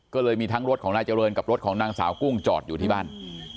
ก็เลยมีทั้งรถของนายเจริญกับรถของนางสาวกุ้งจอดอยู่ที่บ้าน